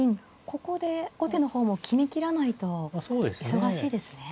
ここで後手の方も決めきらないと忙しいですね。